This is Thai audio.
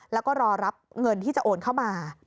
แล้วก็รอรับเงินที่จะโอนเข้ามา